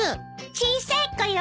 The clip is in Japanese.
小さい子よ。